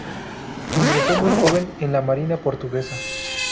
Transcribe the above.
Ingresó muy joven en la marina portuguesa.